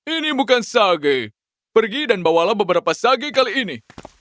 ini bukan sage pergi dan bawalah beberapa sage kali ini